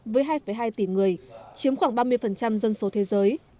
với hai hai tỷ người chiếm khoảng ba mươi dân số thế giới